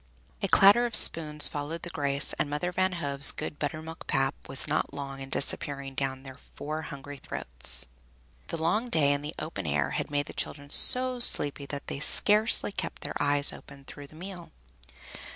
A clatter of spoons followed the grace, and Mother Van Hove's good buttermilk pap was not long in disappearing down their four hungry throats. The long day in the open air had made the children so sleepy they could scarcely keep their eyes open through the meal.